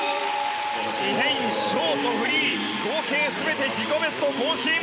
イ・ヘインショート、フリー合計全て自己ベスト更新！